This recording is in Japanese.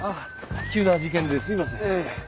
急な事件ですいません。